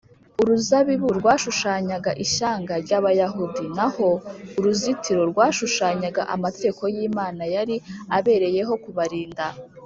uruzabibu rwashushanyaga ishyanga ry’abayahudi, naho uruzitiro rwashushanyaga amategeko y’imana yari abereyeho kubarinda